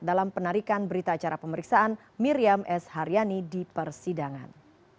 dalam penarikan berita acara pemeriksaan miriam s haryani di persidangan